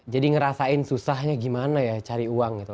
jadi ngerasain susahnya gimana ya cari uang